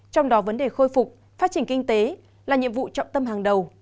trong đó vấn đề khôi phục phát triển kinh tế là nhiệm vụ trọng tâm hàng đầu